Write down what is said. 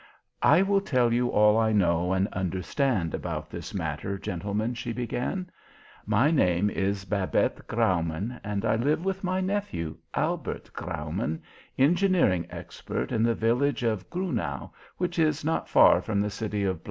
"I will tell you all I know and understand about this matter, gentlemen," she began. "My name is Babette Graumann, and I live with my nephew, Albert Graumann, engineering expert, in the village of Grunau, which is not far from the city of G